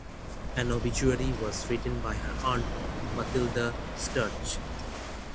An obituary was written by her aunt Matilda Sturge.